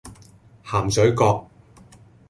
鹹水角